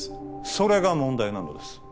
それが問題なのです